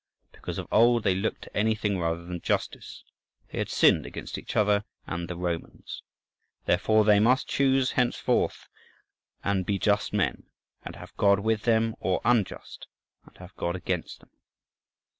Because of old they looked to anything rather than justice: they had sinned against each other and the Romans. Therefore they must choose henceforth, and be just men and have God with them, or unjust and have God against them.